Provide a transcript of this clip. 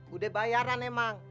udah bayaran emang